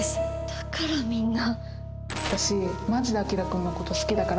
だからみんな！